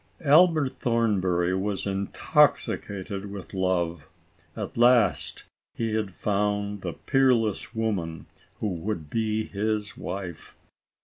Albert Thornbury was intoxicated with love. At last he had found the peerless woman, who would be his wife.